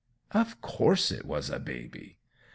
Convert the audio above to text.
Of course, it was a baby!